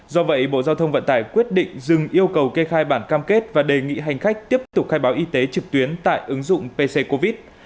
do vậy bộ giao thông vận tải quyết định dừng yêu cầu kê khai bản cam kết và đề nghị hành khách tiếp tục khai báo y tế trực tuyến tại ứng dụng pc covid